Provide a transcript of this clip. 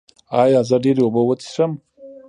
ایا زه ډیرې اوبه وڅښم؟